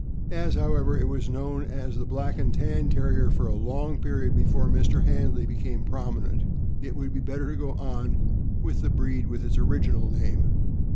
As, however, it was known as the Black and Tan Terrier for a long period before Mr. Handley became prominent, it would be better to go on with the breed with its original name.